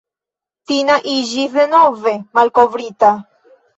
Tina iĝis denove "malkovrita".